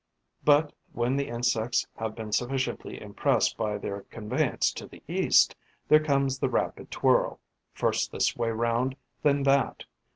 But, when the insects have been sufficiently impressed by their conveyance to the east, there comes the rapid twirl, first this way round, then that.